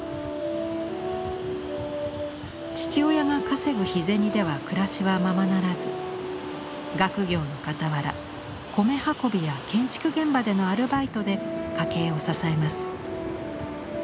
父親が稼ぐ日銭では暮らしはままならず学業のかたわら米運びや建築現場でのアルバイトで家計を支えます。